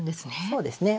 そうですね。